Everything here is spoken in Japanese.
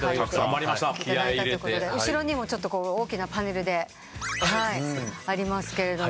後ろにも大きなパネルでありますけれども。